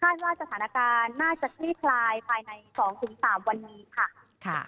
ว่าสถานการณ์น่าจะคลี่คลายภายใน๒๓วันนี้ค่ะ